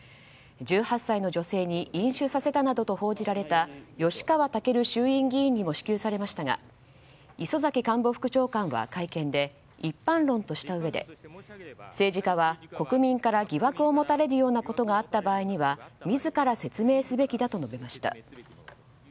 １８歳の女性に飲酒させたなどと報じられた吉川赳衆院議員にも支給されましたが磯崎官房副長官は会見で一般論としたうえで政治家は国民から疑惑を持たれるようなことがあった場合には自ら説明すべきだと述べました。